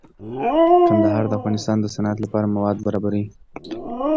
کندهار د افغانستان د صنعت لپاره مواد برابروي.